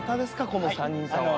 この３人さんは。